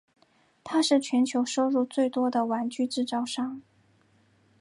它是全球收入最多的玩具制造商。